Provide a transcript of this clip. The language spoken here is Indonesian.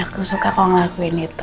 aku suka kalau ngelakuin itu